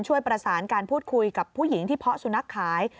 ช่วยประสานการพูดคุยกับผู้หญิงที่เพาะสุนัขขาย